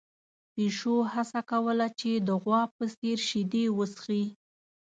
پيشو هڅه کوله چې د غوا په څېر شیدې وڅښي.